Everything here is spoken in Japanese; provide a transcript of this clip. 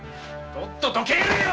とっとと帰れよ！